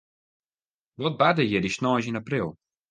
Wat barde hjir dy sneins yn april?